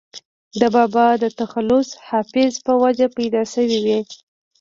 دَبابا دَ تخلص “حافظ ” پۀ وجه پېدا شوې وي